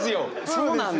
そうなんだ。